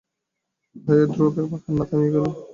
ভয়ে ধ্রুবের কান্না থামিয়া গেল।